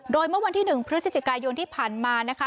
โดยเมื่อวันที่๑พฤศจิกายนที่ผ่านมานะคะ